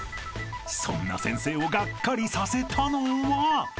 ［そんな先生をがっかりさせたのは？］